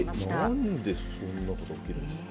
なんでそんなことが起きるんですか？